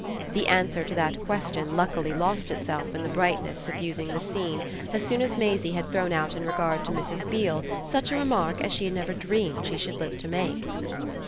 The answer to that question luckily lost itself in the brightness suffusing the scene as soon as Maisie had thrown out in regard to Mrs. Beale such a remark as she had never dreamed she should live to make.